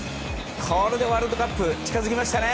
これでワールドカップ近づきましたね。